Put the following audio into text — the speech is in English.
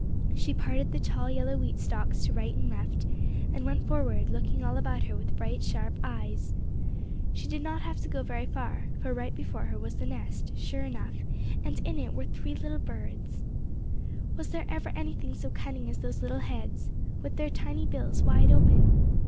She parted the tall yellow wheat stalks to right and left, and went forward, looking all about her with her bright, sharp eyes. She did not have to go very far, for right before her was the nest, sure enough, and in it were three little birds. Was there ever anything so cunning as those little heads, with their tiny bills wide open!